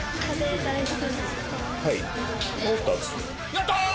やった！